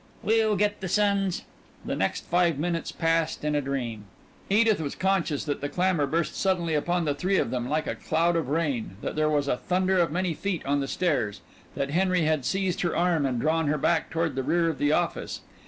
"We'll get the sons " The next five minutes passed in a dream. Edith was conscious that the clamor burst suddenly upon the three of them like a cloud of rain, that there was a thunder of many feet on the stairs, that Henry had seized her arm and drawn her back toward the rear of the office.